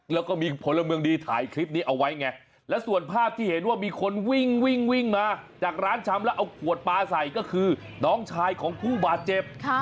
แล้วก็มีพลเมืองดีถ่ายคลิปนี้เอาไว้ไงแล้วส่วนภาพที่เห็นว่ามีคนวิ่งวิ่งมาจากร้านชำแล้วเอาขวดปลาใส่ก็คือน้องชายของผู้บาดเจ็บ